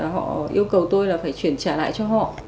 họ yêu cầu tôi là phải chuyển trả lại cho họ